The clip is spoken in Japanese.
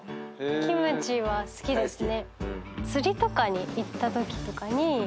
キムチは好きですね。